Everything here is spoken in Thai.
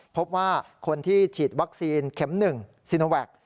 พบว่าคนที่ฉีดวัคซีนเข็ม๑ซีโนแวค